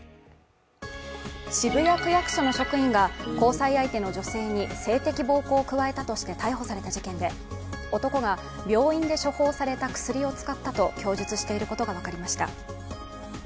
渋谷区役所の職員が交際相手の女性に性的暴行を加えたとして逮捕された事件で男が病院で処方された薬を使ったと供述していることが分かりました。